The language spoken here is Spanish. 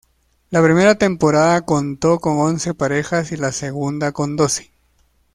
La primera temporada contó con once parejas y la segunda con doce.